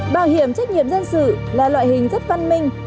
bảo hiểm trách nhiệm dân sự là loại hình rất văn minh